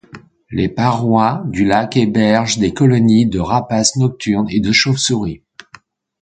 Les parois du lac hébergent des colonies de rapaces nocturnes et de chauve-souris.